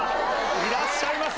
いらっしゃいませ。